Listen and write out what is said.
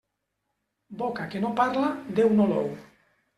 Boca que no parla, Déu no l'ou.